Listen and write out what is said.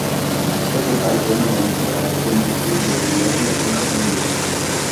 O Secretário permanente terá seu domicílio no mesmo da Comissão mista.